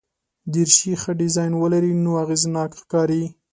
دریشي ښه ډیزاین ولري نو اغېزناک ښکاري.